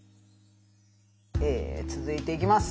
続いていきます。